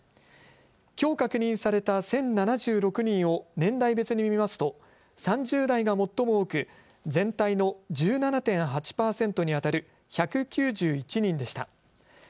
きょう確認された１０７６人を年代別に見ますと３０代が最も多く全体の１７．８％にあたる１９１人でした。